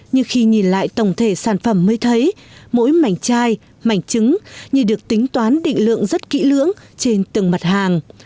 nhưng khi nhìn lại tổng thể sản phẩm mới thấy mỗi mảnh chai mảnh trứng như được tính toán định lượng rất kỹ lưỡng trên từng mặt hàng